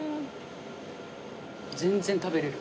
全然食べれる。